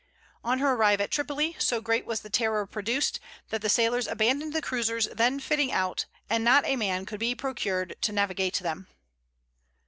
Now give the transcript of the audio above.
On her arrival at Tripoli, so great was the terror produced, that the sailors abandoned the cruisers then fitting out, and not a man could be procured to navigate them.